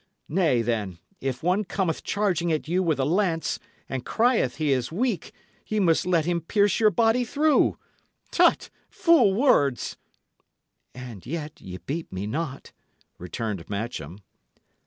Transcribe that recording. Nay, then, if one cometh charging at you with a lance, and crieth he is weak, ye must let him pierce your body through! Tut! fool words!" "And yet ye beat me not," returned Matcham.